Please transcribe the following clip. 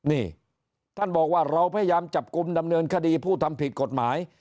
นี่ท่านบอกว่าเราพยายามจับกลุ่มดำเนินคดีผู้ทำผิดกฎหมาย